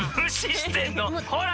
ほら！